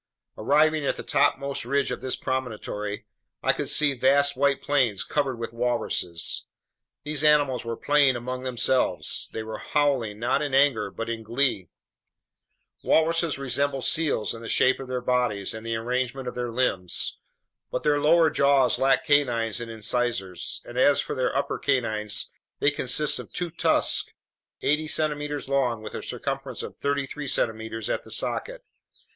Arriving at the topmost ridge of this promontory, I could see vast white plains covered with walruses. These animals were playing among themselves. They were howling not in anger but in glee. Walruses resemble seals in the shape of their bodies and the arrangement of their limbs. But their lower jaws lack canines and incisors, and as for their upper canines, they consist of two tusks eighty centimeters long with a circumference of thirty three centimeters at the socket.